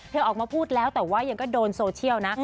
ออกมาพูดแล้วแต่ว่ายังก็โดนโซเชียลนะ